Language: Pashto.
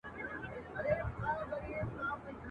د ړندو لښکر نیولي تر لمن یو ..